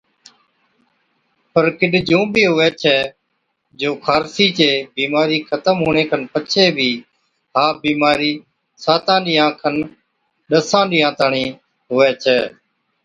پر ڪِڏ جُون بِي هُوَي ڇَي جو خارسي چِي بِيمارِي ختم هُوَڻي کن پڇي بِي ها بِيمارِي ساتان ڏِينهان کن ڏَسان ڏِينها تاڻِين هُوَي ڇَي۔